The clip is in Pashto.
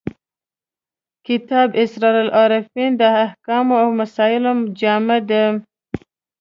کتاب اسرار العارفین د احکامو او مسایلو جامع دی.